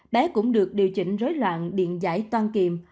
bé cũng được điều chỉnh rối loạn điện giải toan kiềm